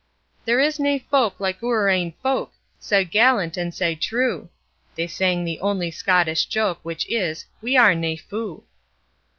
'There is nae folk like oor ain folk, Sae gallant and sae true.' They sang the only Scottish joke Which is, 'We are nae fou.'